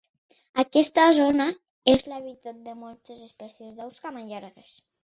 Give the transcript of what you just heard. Aquesta zona és l'hàbitat de moltes espècies d'aus camallargues.